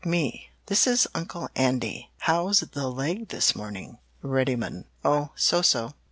"Me This is Uncle Andy. How's the leg this morning? "Reddymun Oh, so so.